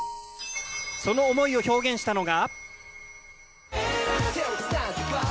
その思いを表現したのが。